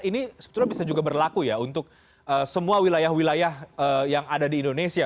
ini sebetulnya bisa juga berlaku ya untuk semua wilayah wilayah yang ada di indonesia